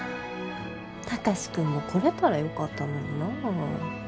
貴司君も来れたらよかったのになあ。